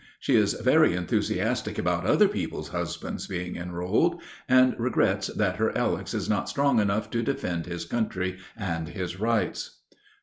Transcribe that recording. She is very enthusiastic about other people's husbands being enrolled, and regrets that her Alex is not strong enough to defend his country and his rights.